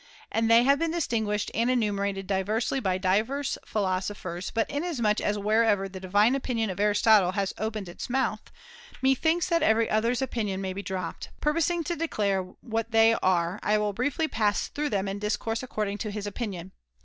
And they have been distinguished and enumerated diversely by divers philosophers, but inasmuch as wherever the divine opinion of Aristotle has opened its mouth, methinks that every other's opinion may be dropped, purposing to declare what they are I will briefly pass through them in discourse according to his opinion.